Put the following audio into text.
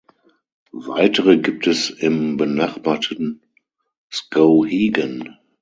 Weitere gibt es im benachbarten Skowhegan.